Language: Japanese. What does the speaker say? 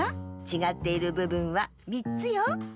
ちがっているぶぶんは３つよ。